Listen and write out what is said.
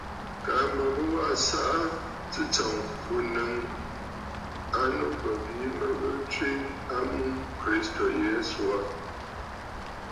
Kaa mbə bɨ waꞌǎ ɨsaꞌa tsɨ̂tsɔ̀ŋ bû ǹnɨŋ a nu bə̀ bìi mə bɨ tswe a mum Kristo Yesu aà.